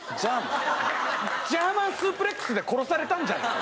ジャーマン・スープレックスで殺されたんじゃない？